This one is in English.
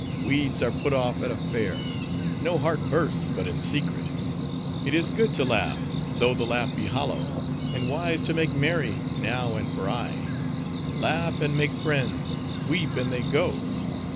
Weeds are put off at a fair; no heart bursts but in secret; it is good to laugh, though the laugh be hollow; and wise to make merry, now and for aye. Laugh, and make friends: weep, and they go.